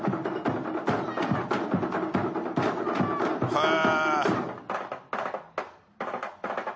へえ！